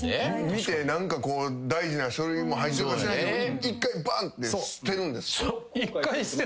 見て大事な書類も入ってるか知らんけど１回ばんって捨てるんですって。